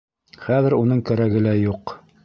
Хәҙер уның кәрәге лә юҡ.